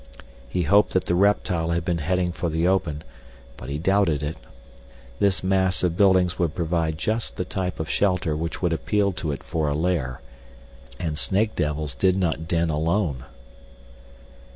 He hoped that the reptile had been heading for the open, but he doubted it. This mass of buildings would provide just the type of shelter which would appeal to it for a lair. And snake devils did not den alone!